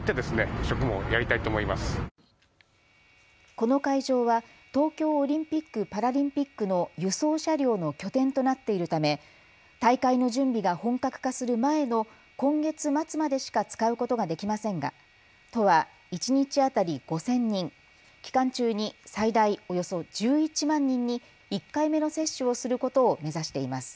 この会場は東京オリンピック・パラリンピックの輸送車両の拠点となっているため大会の準備が本格化する前の今月末までしか使うことができませんが都は一日当たり５０００人、期間中に最大およそ１１万人に１回目の接種をすることを目指しています。